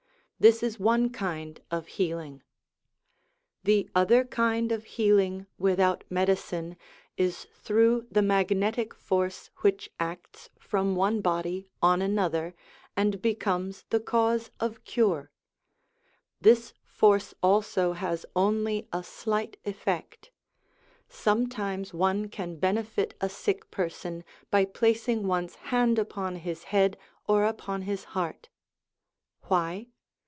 This is one kind of healing. 294 SOME ANSWERED QUESTIONS tv) The other kind of healing without medicine is through the magnetic force which acts from one body on another, and becomes the cause of cure. This force also has only a slight effect. Sometimes one can benefit a sick person by placing one's hand upon his head or upon his heart. Why